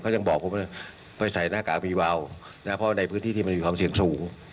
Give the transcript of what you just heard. ยังบอกผมเลยไม่ใส่หน้ากากวีวาวนะเพราะในพื้นที่ที่มันมีความเสี่ยงสูง